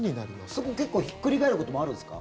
そこ結構ひっくり返ることもあるんですか？